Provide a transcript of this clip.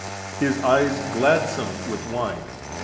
20712. "His eyes gladsome with wine."